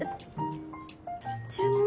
ちゅ注文？